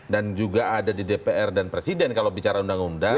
dan juga ada di dpr dan presiden kalau bicara undang undang